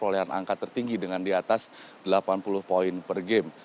dan angka tertinggi dengan di atas delapan puluh poin per game